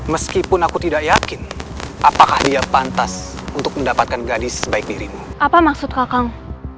meskipun aku tidak yakin apakah dia pantas untuk mendapatkan gadis sebaik dirimu apa maksud kakang